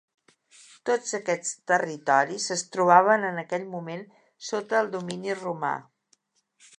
Tots aquests territoris es trobaven en aquell moment sota el domini romà.